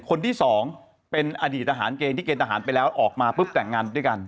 คนที่สองเป็นอดีตทหารเกณฑ์ที่เกณฑหารไปแล้วออกมาปุ๊บแต่งงานด้วยกัน